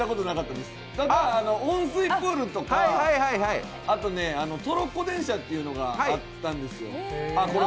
ただ、温水プールとか、あと、トロッコ電車というのがあったんですよ。